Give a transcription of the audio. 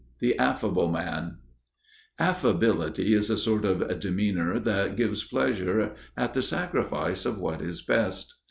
XIX The Affable Man (Ἀρέσκεια) Affability is a sort of demeanor that gives pleasure at the sacrifice of what is best.